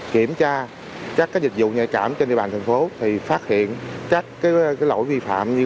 quán bar các cái dịch vụ nhạy cảm trên địa bàn thành phố thì phát hiện các cái lỗi vi phạm như